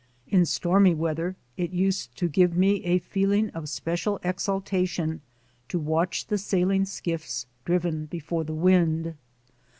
In stormy weather it used to give me a feeling of special exaltation to watch the sailing skiffs driven before the wind.